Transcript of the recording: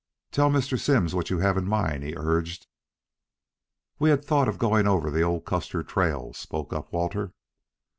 "Tell Mr. Simms what you have in mind," he urged. "We had thought of going over the old Custer trail," spoke up Walter.